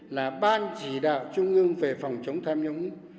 là ban chỉ đạo trung ương về phòng chống tham nhũng